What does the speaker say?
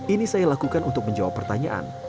ini saya lakukan untuk menjawab pertanyaan